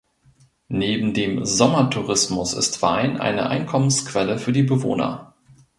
Neben dem Sommertourismus ist Wein eine Einkommensquelle für die Bewohner.